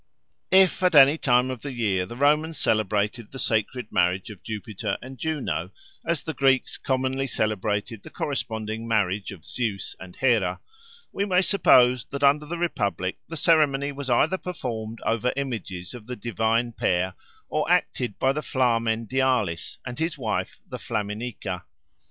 If at any time of the year the Romans celebrated the sacred marriage of Jupiter and Juno, as the Greeks commonly celebrated the corresponding marriage of Zeus and Hera, we may suppose that under the Republic the ceremony was either performed over images of the divine pair or acted by the Flamen Dialis and his wife the Flaminica.